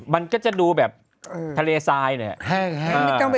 มันก็จะดูแบบทะเลไซน์นั่นแหละ